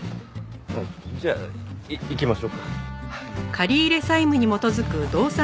じゃあ行きましょうか。